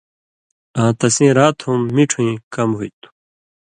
آں تسیں رات ہُم مِٹُھویں کم ہُوئ تُھو۔